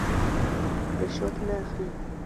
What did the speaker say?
رشوت نه اخلي.